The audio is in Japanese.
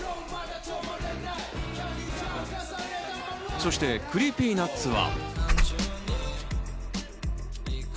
そしてＣｒｅｅｐｙＮｕｔｓは。